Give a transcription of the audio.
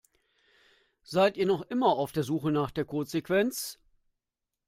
Seid ihr noch immer auf der Suche nach der Codesequenz?